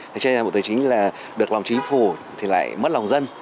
thế cho nên là bộ tài chính là được lòng chính phủ thì lại mất lòng dân